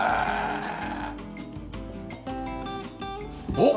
おっ！